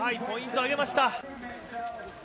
ポイント上げました。